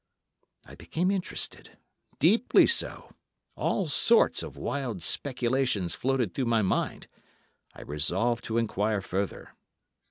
I became interested—deeply so; all sorts of wild speculations floated through my mind; I resolved to enquire further.